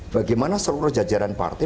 bagaimana seluruh jajaran parti